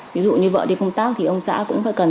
ví dụ như vợ đi công tác thì ông xã cũng phải cần